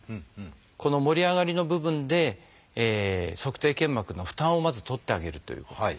この盛り上がりの部分で足底腱膜の負担をまず取ってあげるということ。